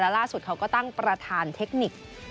ล่าสุดเขาก็ตั้งประธานเทคนิค